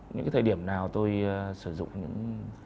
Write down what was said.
những cái thời điểm nào tôi sử dụng